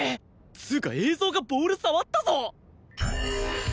つうか映像がボール触ったぞ！